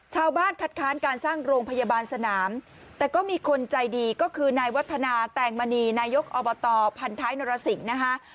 คัดค้านการสร้างโรงพยาบาลสนามแต่ก็มีคนใจดีก็คือนายวัฒนาแตงมณีนายกอบตพันท้ายนรสิงห์นะคะ